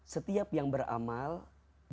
setiap yang beramal juga rugi